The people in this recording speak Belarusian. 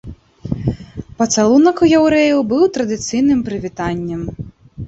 Пацалунак у яўрэяў быў традыцыйным прывітаннем.